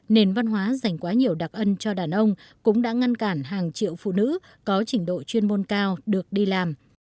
nền văn hóa dành quá nhiều đặc ân cho đàn ông cũng đã ngăn cản hàng triệu phụ nữ có trình độ chuyên môn cao được đi làm